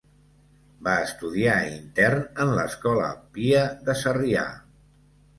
Va estudiar intern en l'Escola Pia de Sarrià.